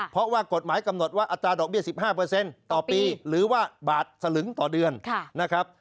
เพราะว่ากฎหมายกำหนดว่าอัตราดอกเบี้ย๑๕ต่อปีหรือว่าบาทสลึงต่อเดือนนะครับ